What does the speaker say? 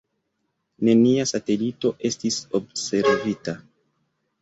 Nenia satelito estis observita.